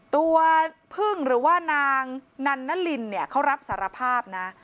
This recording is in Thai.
ตัวพึ่งหรือว่านางนันนลินเนี่ยเขารับสารภาพนะ